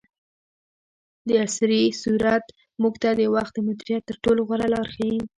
دعصري سورت موږ ته د وخت د مدیریت تر ټولو غوره لار ښیي.